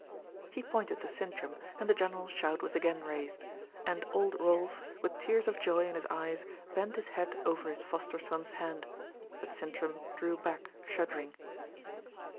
He pointed to Sintram, and the general shout was again raised; and old Rolf, with tears of joy in his eyes, bent his head over his foster son's hand. But Sintram drew back shuddering.